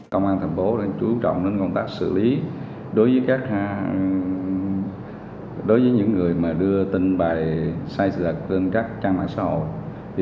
công an thành phố đã chú trọng đến công tác xử lý đối với những người đưa tin bài sai sự thật trên các trang mạng xã hội